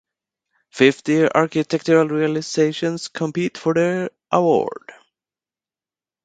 Fifty architectural realizations compete for the award.